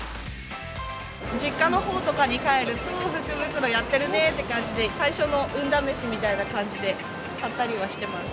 実家のほうとかに帰ると、福袋やってるねって感じで、最初の運試しにみたいな感じで、買ったりはしてます。